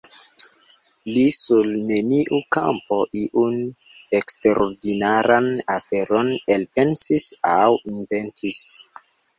Li sur neniu kampo iun eksterordinaran aferon elpensis aŭ inventis.